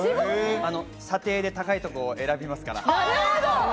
査定で高いところ選びますから。